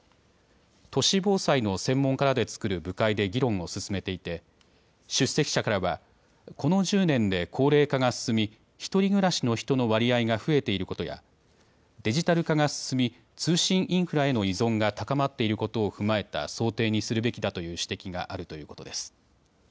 都市防災の専門家らで作る部会で議論を進めていて出席者からはこの１０年で高齢化が進み１人暮らしの人の割合が増えていることやデジタル化が進み通信インフラへの依存が高まっていることを踏まえた想定にするべきだという指摘があるということです。